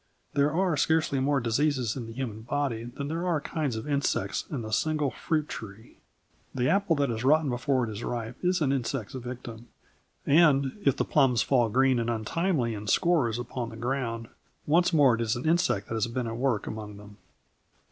There are scarcely more diseases in the human body than there are kinds of insects in a single fruit tree. The apple that is rotten before it is ripe is an insect's victim, and, if the plums fall green and untimely in scores upon the ground, once more it is an insect that has been at work among them.